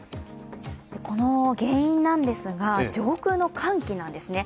この原因なんですが、上空の寒気なんですね。